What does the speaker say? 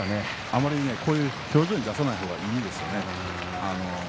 あんまり、こういうふうに表情に出さない方がいいですよね。